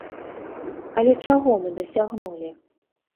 Але чаго мы дасягнулі?